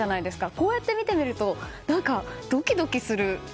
こうやって見てみると何かドキドキする。